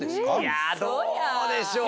いやどうでしょうか。